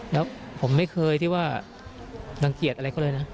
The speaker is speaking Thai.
แล้วผมไม่เคยที่ว่ารังเกียจอะไรเขาเลยนะ